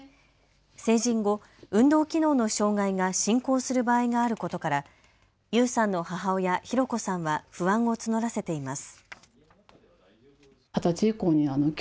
成人後、運動機能の障害が進行する場合があることから優さんの母親、寛子さんは不安を募らせています。